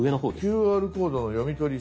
「ＱＲコードの読み取り成功」。